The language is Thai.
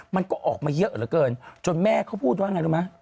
มันก็ออกมาเยอะเหลือเกินจนแม่เขาพูดว่าไงรู้ไหม